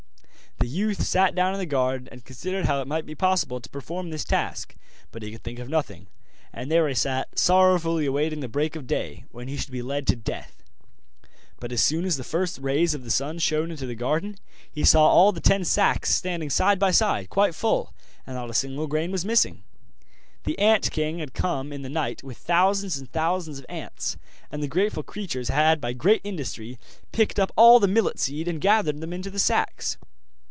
The youth sat down in the garden and considered how it might be possible to perform this task, but he could think of nothing, and there he sat sorrowfully awaiting the break of day, when he should be led to death. But as soon as the first rays of the sun shone into the garden he saw all the ten sacks standing side by side, quite full, and not a single grain was missing. The ant king had come in the night with thousands and thousands of ants, and the grateful creatures had by great industry picked up all the millet seed and gathered them into the sacks.